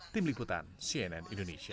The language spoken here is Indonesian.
tim liputan cnn indonesia